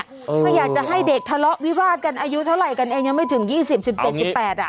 ก็อยากจะให้เด็กทะเลาะวิวาดกันอายุเท่าไหร่กันเองยังไม่ถึง๒๐๑๗๑๘อ่ะ